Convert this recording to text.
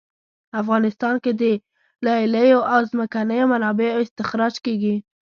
افغانستان کې د لیلیو او ځمکنیو منابعو استخراج کیږي